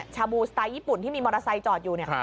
ชาบูสไตล์ญี่ปุ่นที่มีมอเตอร์ไซค์จอดอยู่เนี่ย